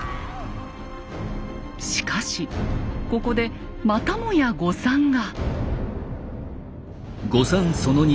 しかしここでまたもや誤算が。